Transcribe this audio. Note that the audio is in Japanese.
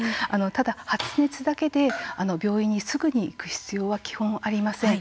ただ、発熱だけで病院にすぐに行く必要は基本、ありません。